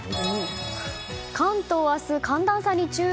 関東明日、寒暖差に注意。